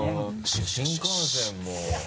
新幹線も。